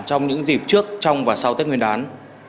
trong những dịp trước trong và sau tết nguyên đán